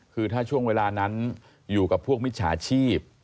คือถ้าช่วงเวลานั้นอยู่กับพวกมิจฉาชีพ